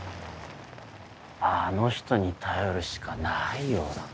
あの人に頼るしかないようだな。